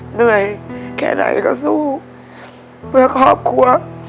เหนื่อยแค่ไหนก็สู้เพื่อครอบครัว